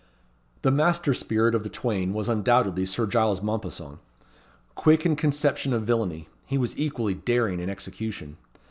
The master spirit of the twain was undoubtedly Sir Giles Mompesson. Quick in conception of villainy, he was equally daring in execution.